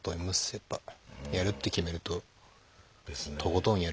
やっぱやるって決めるととことんやる人だった。